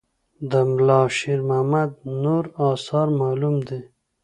د ملا شیر محمد نور آثار معلوم دي.